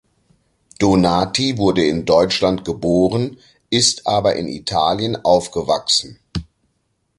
Donati wurde in Deutschland geboren, ist aber in Italien aufgewachsen.